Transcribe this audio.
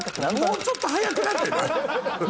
もうちょっと早くなってない？